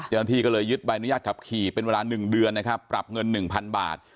เจนที่ก็เลยยึดใบอนุญาตขับขี่เป็นเวลาหนึ่งเดือนนะครับปรับเงินหนึ่งพันบาท